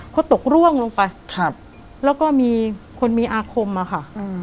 เขาตกร่วงลงไปครับแล้วก็มีคนมีอาคมอะค่ะ